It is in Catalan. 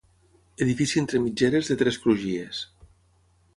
Edifici entre mitgeres de tres crugies.